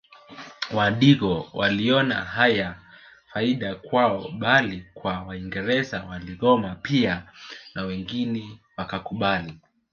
Wadigo waliona hayana faida kwao bali kwa waingereza waligoma pia na wengine wakakubali